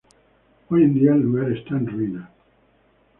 Hoy en día el lugar está en ruinas.